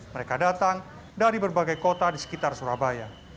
mereka datang dari berbagai kota di sekitar surabaya